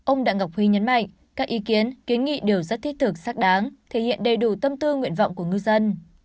ông đặng ngọc huy nhấn mạnh các ý kiến kiến nghị đều rất thiết thực xác đáng thể hiện đầy đủ tâm tư nguyện vọng của ngư dân